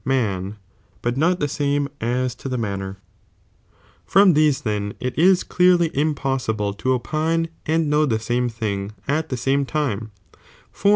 '"^' man, but not tho same as to the manner, 4. Wc cannor, From these then it is clearly impossible to opine "mc'iima "'°"^"^ know the samc thing at the same time, for tnnw.